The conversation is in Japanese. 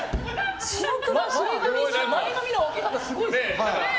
前髪の分け方すごいっすね。